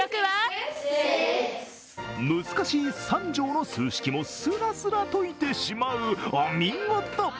難しい３乗の数式も、すらすら解いてしまう、お見事。